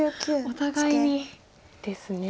お互いに。ですね。